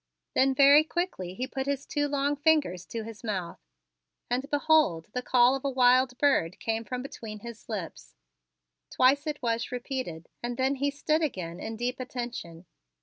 Then very quickly he put his two long fingers to his mouth, and behold the call of a wild bird came from between his lips. Twice it was repeated and then he stood again in deep attention.